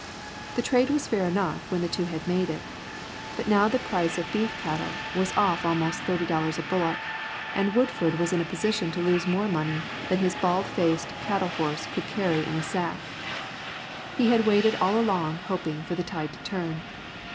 The trade was fair enough when the two had made it. But now the price of beef cattle was off almost thirty dollars a bullock, and Woodford was in a position to lose more money than his bald faced cattle horse could carry in a sack. He had waited all along hoping for the tide to turn.